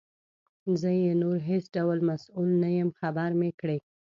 زه یې نور هیڅ ډول مسؤل نه یم خبر مي کړې.